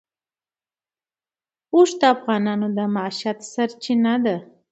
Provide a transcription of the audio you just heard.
اوښ د افغانانو د معیشت سرچینه ده.